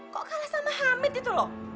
kok kalah sama hamid itu loh